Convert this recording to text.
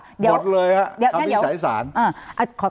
หมดเลยครับคำวินิจฉัยศาล